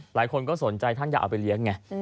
หลายคนก็สนใจท่านอยากเอาไปเลี้ยงไง